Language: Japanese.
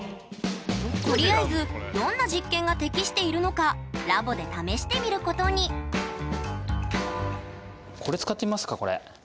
とりあえずどんな実験が適しているのかラボで試してみることにこれ使ってみますかこれ。